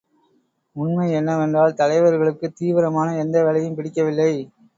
உண்மை என்னவென்றால் தலைவர்களுக்குத் தீவிரமான எந்த வேலையும் பிடிக்கவில்லை.